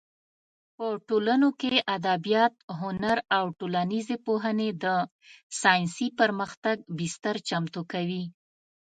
په ټولنو کې ادبیات، هنر او ټولنیزې پوهنې د ساینسي پرمختګ بستر چمتو کوي.